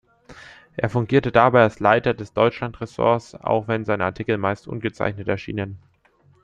Er fungierte dabei als Leiter des Deutschland-Ressorts, auch wenn seine Artikel meist ungezeichnet erschienen.